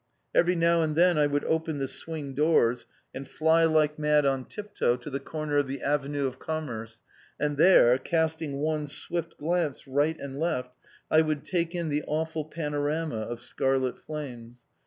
Every now and then I would open the swing doors and fly like mad on tip toe to the corner of the Avenue de Commerce, and there, casting one swift glance right and left, I would take in the awful panorama of scarlet flames.